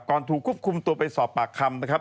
ถูกควบคุมตัวไปสอบปากคำนะครับ